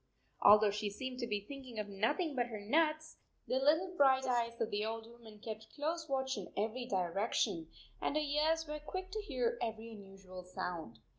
Although she seemed to be thinking of nothing but her nuts, the little bright eyes of the old woman kept close watch in every direction, and her ears were quick to hear every unusual sound.